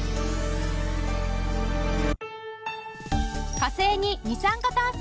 火星に二酸化炭素